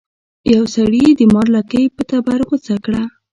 یو سړي د مار لکۍ په تبر غوڅه کړه.